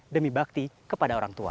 demi bakti kepada orang tua